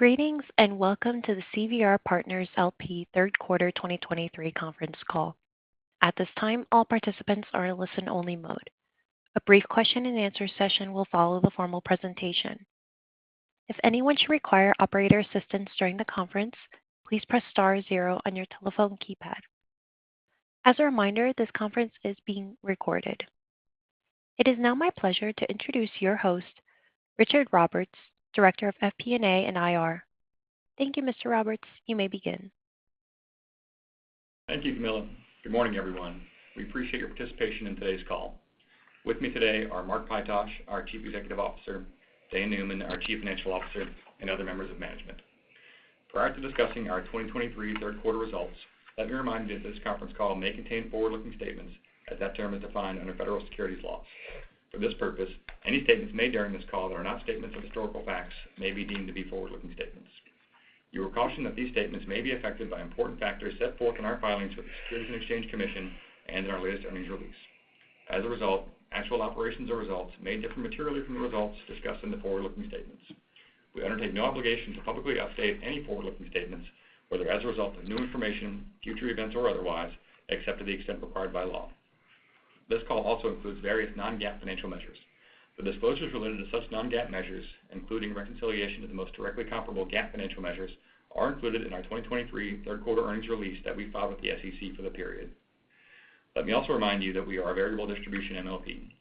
Greetings, and welcome to the CVR Partners LP third quarter 2023 conference call. At this time, all participants are in listen-only mode. A brief question and answer session will follow the formal presentation. If anyone should require operator assistance during the conference, please press star zero on your telephone keypad. As a reminder, this conference is being recorded. It is now my pleasure to introduce your host, Richard Roberts, Director of FP&A and IR. Thank you, Mr. Roberts. You may begin. Thank you, Camilla. Good morning, everyone. We appreciate your participation in today's call. With me today are Mark Pytosh, our Chief Executive Officer, Dane Neumann, our Chief Financial Officer, and other members of management. Prior to discussing our 2023 third quarter results, let me remind you that this conference call may contain forward-looking statements, as that term is defined under federal securities law. For this purpose, any statements made during this call that are not statements of historical facts may be deemed to be forward-looking statements. You are cautioned that these statements may be affected by important factors set forth in our filings with the Securities and Exchange Commission and in our latest earnings release. As a result, actual operations or results may differ materially from the results discussed in the forward-looking statements. We undertake no obligation to publicly update any forward-looking statements, whether as a result of new information, future events, or otherwise, except to the extent required by law. This call also includes various non-GAAP financial measures. The disclosures related to such non-GAAP measures, including reconciliation of the most directly comparable GAAP financial measures, are included in our 2023 third quarter earnings release that we filed with the SEC for the period. Let me also remind you that we are a variable distribution MLP.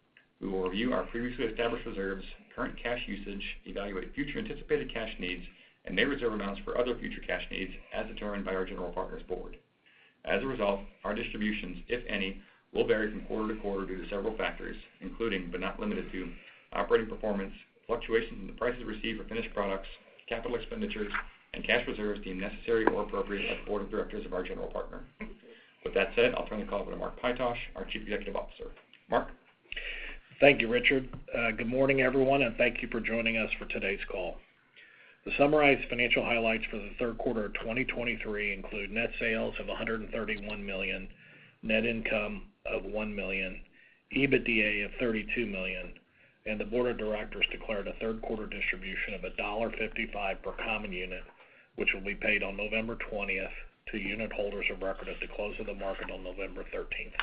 We will review our previously established reserves, current cash usage, evaluate future anticipated cash needs, and may reserve amounts for other future cash needs as determined by our general partner's board. As a result, our distributions, if any, will vary from quarter to quarter due to several factors, including, but not limited to, operating performance, fluctuations in the prices received for finished products, capital expenditures, and cash reserves deemed necessary or appropriate by the board of directors of our general partner. With that said, I'll turn the call over to Mark Pytosh, our Chief Executive Officer. Mark? Thank you, Richard. Good morning, everyone, and thank you for joining us for today's call. The summarized financial highlights for the third quarter of 2023 include net sales of $131 million, net income of $1 million, EBITDA of $32 million, and the board of directors declared a third quarter distribution of $1.55 per common unit, which will be paid on November 20th to unit holders of record at the close of the market on November 13th.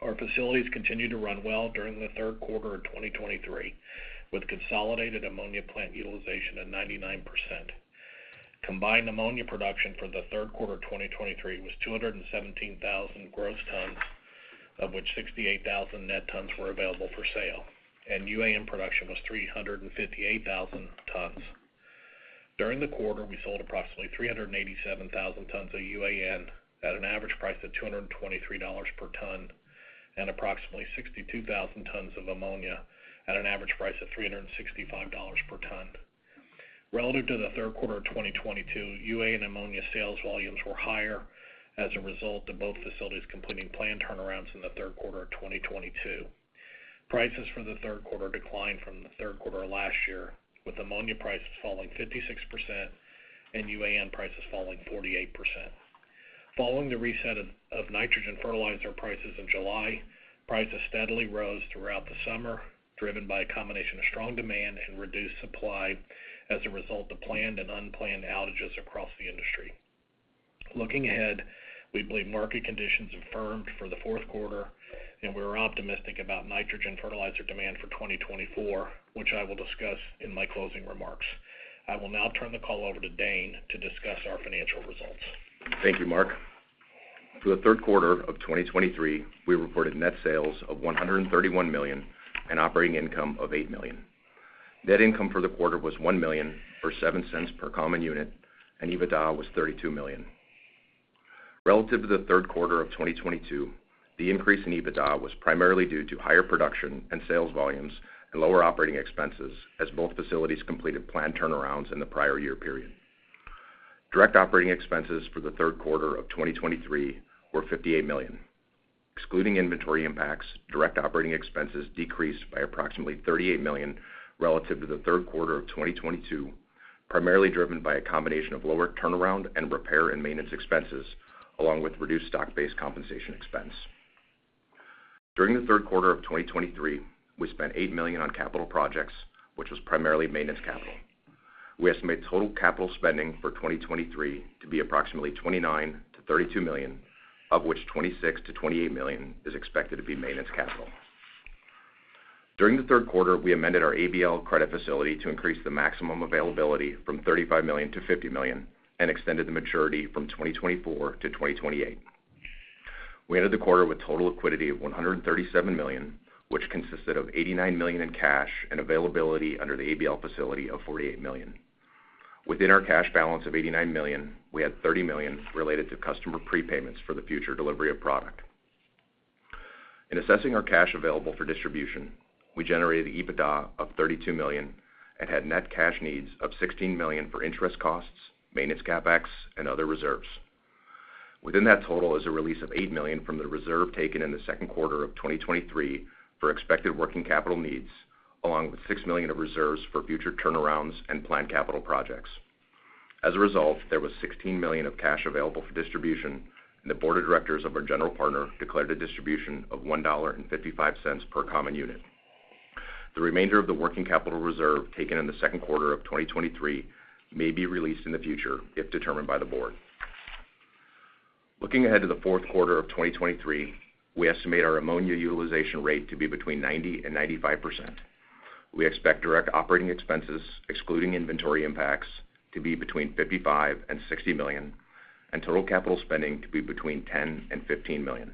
Our facilities continued to run well during the third quarter of 2023, with consolidated ammonia plant utilization at 99%. Combined ammonia production for the third quarter of 2023 was 217,000 gross tons, of which 68,000 net tons were available for sale, and UAN production was 358,000 tons. During the quarter, we sold approximately 387,000 tons of UAN at an average price of $223 per ton, and approximately 62,000 tons of ammonia at an average price of $365 per ton. Relative to the third quarter of 2022, UAN and ammonia sales volumes were higher as a result of both facilities completing plant turnarounds in the third quarter of 2022. Prices for the third quarter declined from the third quarter of last year, with ammonia prices falling 56% and UAN prices falling 48%. Following the reset of nitrogen fertilizer prices in July, prices steadily rose throughout the summer, driven by a combination of strong demand and reduced supply as a result of planned and unplanned outages across the industry. Looking ahead, we believe market conditions have firmed for the fourth quarter, and we are optimistic about nitrogen fertilizer demand for 2024, which I will discuss in my closing remarks. I will now turn the call over to Dane to discuss our financial results. Thank you, Mark. For the third quarter of 2023, we reported net sales of $131 million and operating income of $8 million. Net income for the quarter was $1 million, or $0.07 per common unit, and EBITDA was $32 million. Relative to the third quarter of 2022, the increase in EBITDA was primarily due to higher production and sales volumes and lower operating expenses, as both facilities completed planned turnarounds in the prior year period. Direct operating expenses for the third quarter of 2023 were $58 million. Excluding inventory impacts, direct operating expenses decreased by approximately $38 million relative to the third quarter of 2022, primarily driven by a combination of lower turnaround and repair and maintenance expenses, along with reduced stock-based compensation expense. During the third quarter of 2023, we spent $8 million on capital projects, which was primarily maintenance capital. We estimate total capital spending for 2023 to be approximately $29 million-$32 million, of which $26 million-$28 million is expected to be maintenance capital. During the third quarter, we amended our ABL credit facility to increase the maximum availability from $35 million to $50 million and extended the maturity from 2024 to 2028. We ended the quarter with total liquidity of $137 million, which consisted of $89 million in cash and availability under the ABL facility of $48 million. Within our cash balance of $89 million, we had $30 million related to customer prepayments for the future delivery of product. In assessing our cash available for distribution, we generated EBITDA of $32 million and had net cash needs of $16 million for interest costs, maintenance, CapEx, and other reserves. Within that total is a release of $8 million from the reserve taken in the second quarter of 2023 for expected working capital needs, along with $6 million of reserves for future turnarounds and planned capital projects. As a result, there was $16 million of cash available for distribution, and the board of directors of our general partner declared a distribution of $1.55 per common unit. The remainder of the working capital reserve taken in the second quarter of 2023 may be released in the future, if determined by the board. Looking ahead to the fourth quarter of 2023, we estimate our ammonia utilization rate to be between 90% and 95%. We expect direct operating expenses, excluding inventory impacts, to be between $55 million and $60 million, and total capital spending to be between $10 million and $15 million.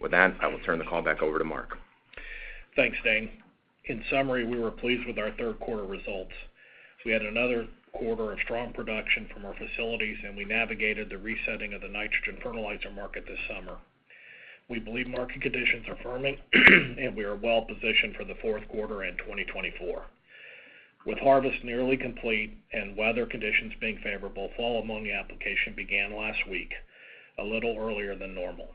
With that, I will turn the call back over to Mark. Thanks, Dane. In summary, we were pleased with our third quarter results. We had another quarter of strong production from our facilities, and we navigated the resetting of the nitrogen fertilizer market this summer. We believe market conditions are firming, and we are well positioned for the fourth quarter and 2024. With harvest nearly complete and weather conditions being favorable, fall ammonia application began last week, a little earlier than normal.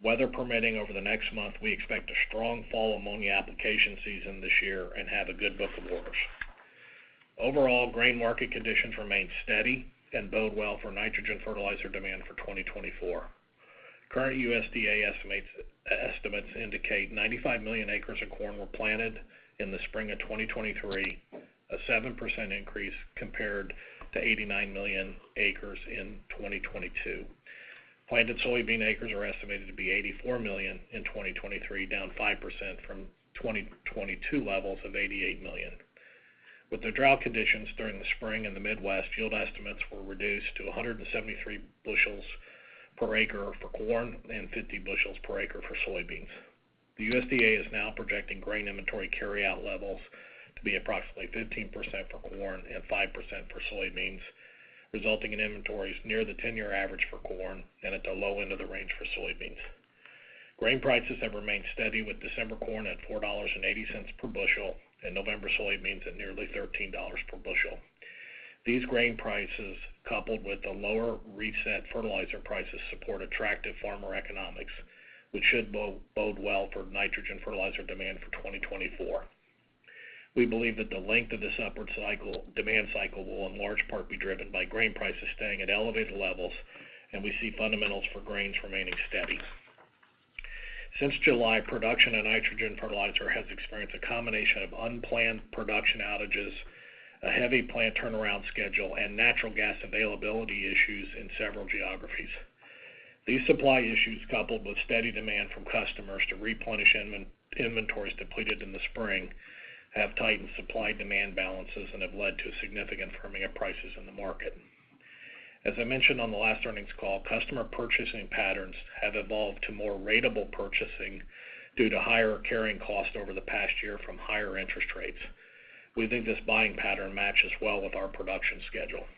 Weather permitting over the next month, we expect a strong fall ammonia application season this year and have a good book of orders. Overall, grain market conditions remain steady and bode well for nitrogen fertilizer demand for 2024. Current USDA estimates indicate 95 million acres of corn were planted in the spring of 2023, a 7% increase compared to 89 million acres in 2022. Planted soybean acres are estimated to be 84 million in 2023, down 5% from 2022 levels of 88 million. With the drought conditions during the spring in the Midwest, field estimates were reduced to 173 bushels per acre for corn and 50 bushels per acre for soybeans. The USDA is now projecting grain inventory carryout levels to be approximately 15% for corn and 5% for soybeans, resulting in inventories near the 10-year average for corn and at the low end of the range for soybeans. Grain prices have remained steady, with December corn at $4.80 per bushel and November soybeans at nearly $13 per bushel. These grain prices, coupled with the lower reset fertilizer prices, support attractive farmer economics, which should bode well for nitrogen fertilizer demand for 2024. We believe that the length of this upward cycle, demand cycle will in large part be driven by grain prices staying at elevated levels, and we see fundamentals for grains remaining steady. Since July, production and nitrogen fertilizer has experienced a combination of unplanned production outages, a heavy plant turnaround schedule, and natural gas availability issues in several geographies. These supply issues, coupled with steady demand from customers to replenish inventories depleted in the spring, have tightened supply-demand balances and have led to a significant firming of prices in the market. As I mentioned on the last earnings call, customer purchasing patterns have evolved to more ratable purchasing due to higher carrying costs over the past year from higher interest rates. We think this buying pattern matches well with our production schedule.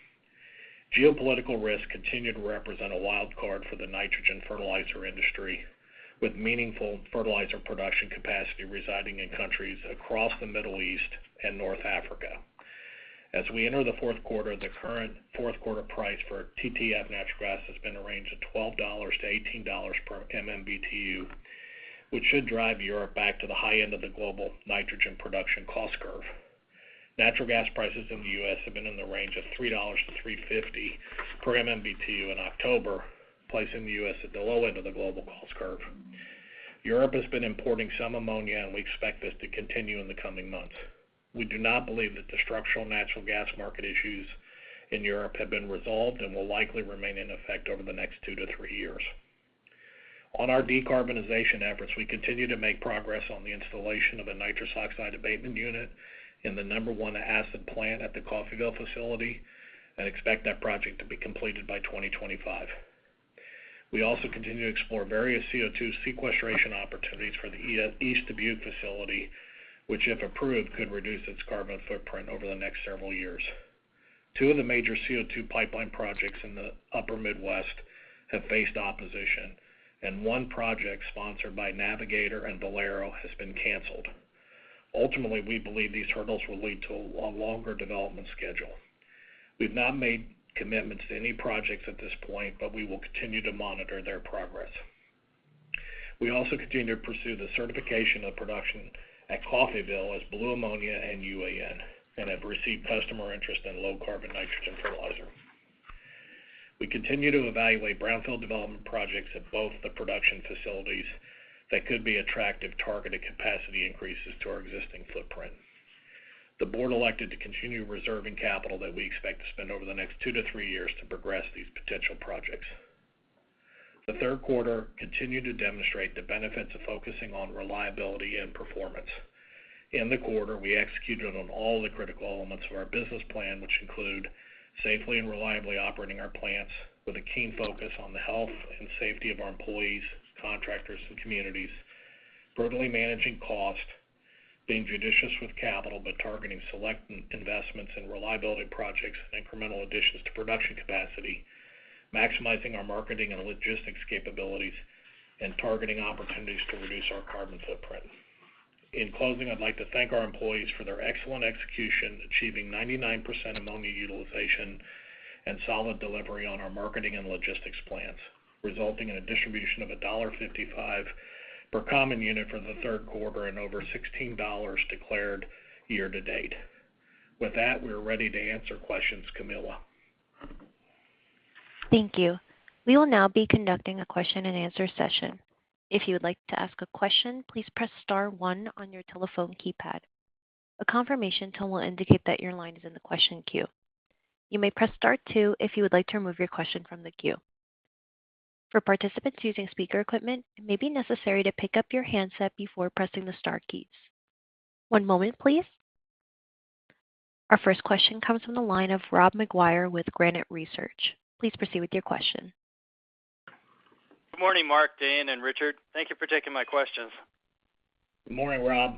Geopolitical risks continue to represent a wild card for the nitrogen fertilizer industry, with meaningful fertilizer production capacity residing in countries across the Middle East and North Africa. As we enter the fourth quarter, the current fourth quarter price for TTF natural gas has been a range of $12-$18 per MMBtu, which should drive Europe back to the high end of the global nitrogen production cost curve. Natural gas prices in the U.S. have been in the range of $3-$3.50 per MMBtu in October, placing the U.S. at the low end of the global cost curve. Europe has been importing some ammonia, and we expect this to continue in the coming months. We do not believe that the structural natural gas market issues in Europe have been resolved and will likely remain in effect over the next two to three years. On our decarbonization efforts, we continue to make progress on the installation of a nitrous oxide abatement unit in the number one acid plant at the Coffeyville facility and expect that project to be completed by 2025. We also continue to explore various CO2 sequestration opportunities for the East Dubuque facility, which, if approved, could reduce its carbon footprint over the next several years. Two of the major CO2 pipeline projects in the Upper Midwest have faced opposition, and one project sponsored by Navigator and Valero has been canceled. Ultimately, we believe these hurdles will lead to a longer development schedule. We've not made commitments to any projects at this point, but we will continue to monitor their progress. We also continue to pursue the certification of production at Coffeyville as blue ammonia and UAN and have received customer interest in low carbon nitrogen fertilizer. We continue to evaluate brownfield development projects at both the production facilities that could be attractive targeted capacity increases to our existing footprint. The board elected to continue reserving capital that we expect to spend over the next two to three years to progress these potential projects. The third quarter continued to demonstrate the benefits of focusing on reliability and performance. In the quarter, we executed on all the critical elements of our business plan, which include safely and reliably operating our plants with a keen focus on the health and safety of our employees, contractors, and communities; brutally managing cost; being judicious with capital, but targeting select investments in reliability projects and incremental additions to production capacity; maximizing our marketing and logistics capabilities; and targeting opportunities to reduce our carbon footprint. In closing, I'd like to thank our employees for their excellent execution, achieving 99% ammonia utilization and solid delivery on our marketing and logistics plans, resulting in a distribution of $1.55 per common unit for the third quarter and over $16 declared year to date. With that, we are ready to answer questions, Camilla. Thank you. We will now be conducting a question-and-answer session. If you would like to ask a question, please press star one on your telephone keypad. A confirmation tone will indicate that your line is in the question queue. You may press star two if you would like to remove your question from the queue. For participants using speaker equipment, it may be necessary to pick up your handset before pressing the star keys. One moment, please. Our first question comes from the line of Rob McGuire with Granite Research. Please proceed with your question. Good morning, Mark, Dane, and Richard. Thank you for taking my questions. Good morning, Rob.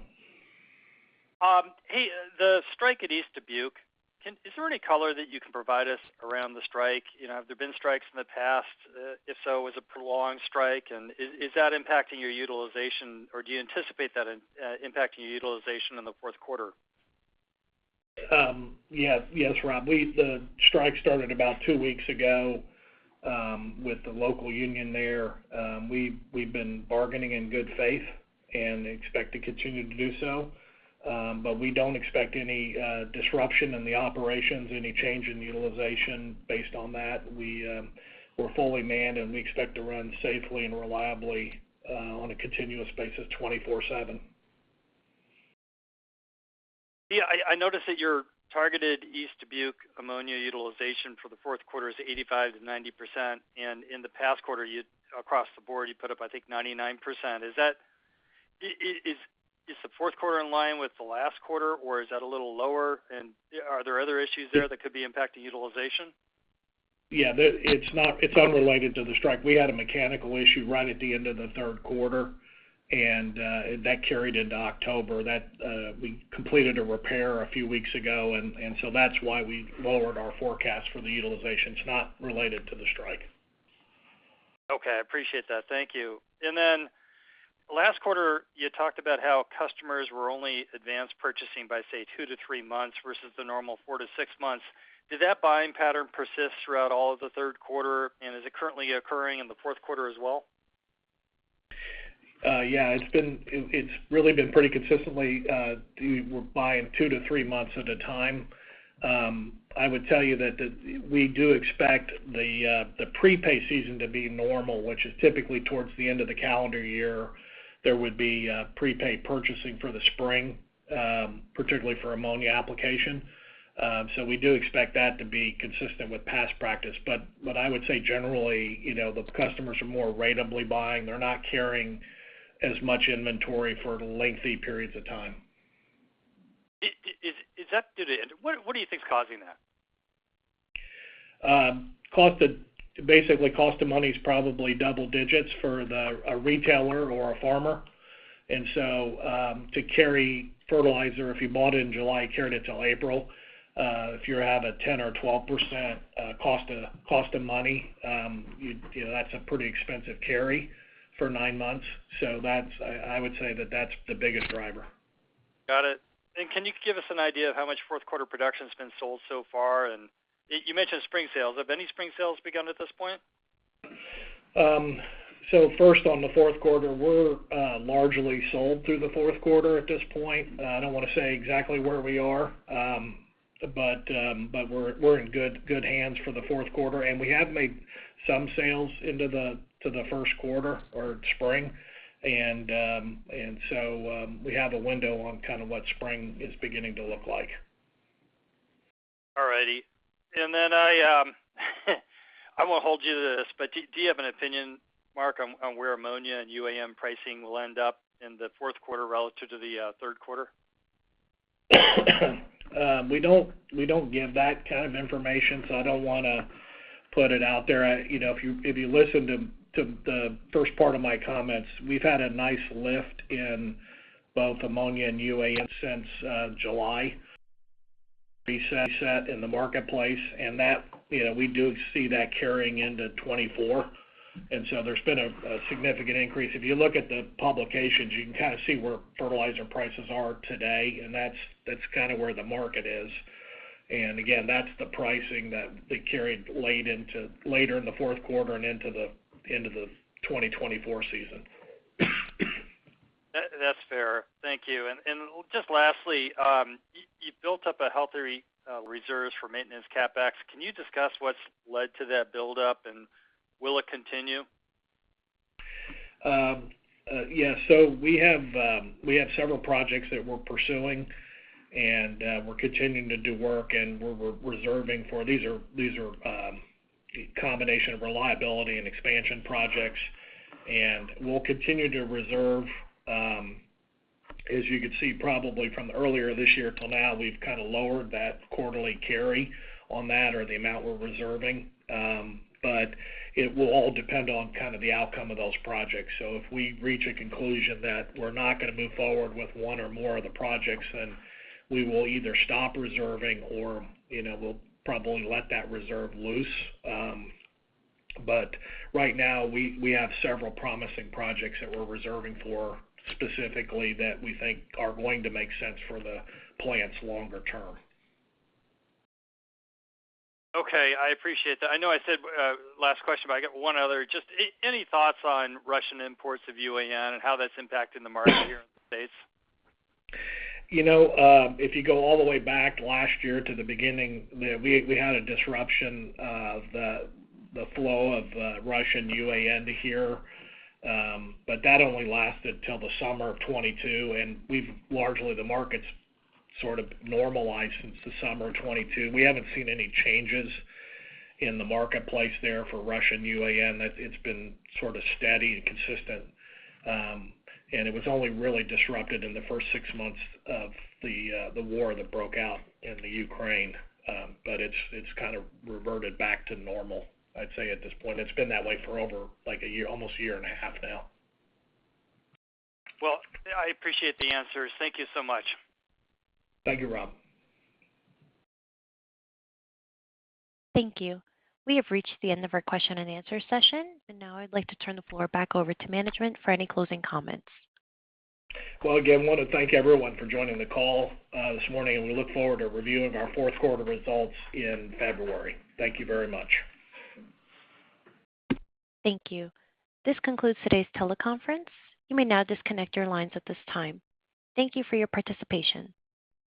Hey, the strike at East Dubuque, is there any color that you can provide us around the strike? You know, have there been strikes in the past? If so, was it a prolonged strike? And is that impacting your utilization, or do you anticipate that impacting your utilization in the fourth quarter? Yeah. Yes, Rob. The strike started about two weeks ago, with the local union there. We've been bargaining in good faith and expect to continue to do so. But we don't expect any disruption in the operations, any change in utilization based on that. We're fully manned, and we expect to run safely and reliably, on a continuous basis, 24/7. Yeah, I noticed that your targeted East Dubuque ammonia utilization for the fourth quarter is 85%-90%, and in the past quarter, you across the board put up, I think, 99%. Is the fourth quarter in line with the last quarter, or is that a little lower? And are there other issues there that could be impacting utilization? Yeah, it's not, it's unrelated to the strike. We had a mechanical issue right at the end of the third quarter, and that carried into October. We completed a repair a few weeks ago, and so that's why we lowered our forecast for the utilization. It's not related to the strike. Okay, I appreciate that. Thank you. Last quarter, you talked about how customers were only advanced purchasing by, say, two to three months versus the normal four to six months. Did that buying pattern persist throughout all of the third quarter, and is it currently occurring in the fourth quarter as well? Yeah, it's been, it's really been pretty consistently, we're buying two to three months at a time. I would tell you that the, we do expect the, the prepay season to be normal, which is typically towards the end of the calendar year. There would be, prepay purchasing for the spring, particularly for ammonia application. So we do expect that to be consistent with past practice. But I would say generally, you know, the customers are more ratably buying. They're not carrying as much inventory for lengthy periods of time. Is that... What do you think is causing that? Cost of money is probably double digits for a retailer or a farmer. And so, to carry fertilizer, if you bought it in July, carried it till April, if you have a 10% or 12% cost of money, you know, that's a pretty expensive carry for nine months. So that's—I would say that's the biggest driver. Got it. And can you give us an idea of how much fourth quarter production has been sold so far? And you mentioned spring sales. Have any spring sales begun at this point? So first, on the fourth quarter, we're largely sold through the fourth quarter at this point. I don't want to say exactly where we are, but but we're, we're in good, good hands for the fourth quarter, and we have made some sales into the-- to the first quarter or spring. And, and so, we have a window on kind of what spring is beginning to look like. All righty. And then I, I won't hold you to this, but do you have an opinion, Mark, on where ammonia and UAN pricing will end up in the fourth quarter relative to the third quarter? We don't, we don't give that kind of information, so I don't want to put it out there. You know, if you, if you listen to, to the first part of my comments, we've had a nice lift in both ammonia and UAN since July. Reset in the marketplace, and that, you know, we do see that carrying into 2024, and so there's been a, a significant increase. If you look at the publications, you can kind of see where fertilizer prices are today, and that's, that's kind of where the market is. And again, that's the pricing that, that carried late into later in the fourth quarter and into the, into the 2024 season. That, that's fair. Thank you. And just lastly, you built up a healthy reserves for maintenance CapEx. Can you discuss what's led to that buildup, and will it continue? Yeah. So we have, we have several projects that we're pursuing, and, we're continuing to do work, and we're, we're reserving for... These are, these are, a combination of reliability and expansion projects, and we'll continue to reserve, as you could see, probably from earlier this year till now, we've kind of lowered that quarterly carry on that or the amount we're reserving. But it will all depend on kind of the outcome of those projects. So if we reach a conclusion that we're not going to move forward with one or more of the projects, then we will either stop reserving or, you know, we'll probably let that reserve loose. But right now, we, we have several promising projects that we're reserving for specifically that we think are going to make sense for the plants longer term. Okay, I appreciate that. I know I said last question, but I got one other. Just any thoughts on Russian imports of UAN and how that's impacting the market here in the States? You know, if you go all the way back last year to the beginning, we had a disruption of the flow of Russian UAN to here. But that only lasted till the summer of 2022, and we've largely the market's sort of normalized since the summer of 2022. We haven't seen any changes in the marketplace there for Russian UAN. It's been sort of steady and consistent, and it was only really disrupted in the first six months of the war that broke out in Ukraine. But it's kind of reverted back to normal. I'd say at this point, it's been that way for over, like, a year, almost a year and a half now. Well, I appreciate the answers. Thank you so much. Thank you, Rob. Thank you. We have reached the end of our question-and-answer session, and now I'd like to turn the floor back over to management for any closing comments. Well, again, I want to thank everyone for joining the call, this morning, and we look forward to reviewing our fourth quarter results in February. Thank you very much. Thank you. This concludes today's teleconference. You may now disconnect your lines at this time. Thank you for your participation.